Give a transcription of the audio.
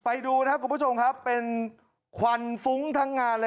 ไปดูนะครับคุณผู้ชมครับเป็นควันฟุ้งทั้งงานเลย